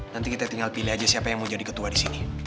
nanti kita tinggal pilih aja siapa yang mau jadi ketua di sini